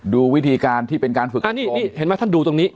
ดูวิธีการที่เป็นการฝึกกันโตม